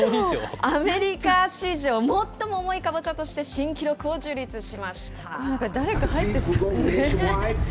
アメリカ史上、最も重いカボチャとして新記録を樹立しました。